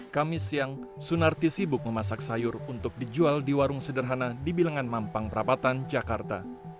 kami siang sunarti sibuk memasak sayur untuk dijual di warung sederhana di bilangan mampang perapatan jakarta